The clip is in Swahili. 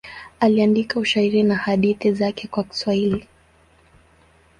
Aliandika ushairi na hadithi zake kwa Kiswahili.